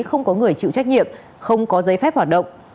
không có người chịu trách nhiệm không có giấy phép hoạt động